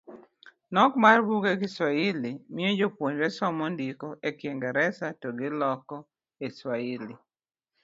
Nok mar buge kiwahili miyo Jopuonjre somo ndiko e kingresa to giloko e Swahili.